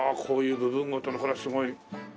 こういう部分ごとのこれすごい。